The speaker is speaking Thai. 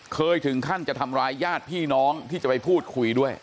เคยถึงขั้นจะทำร้ายญาติพี่น้องที่จะไปพูดคุยด้วย